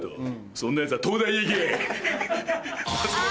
そんなヤツは東大へ行け！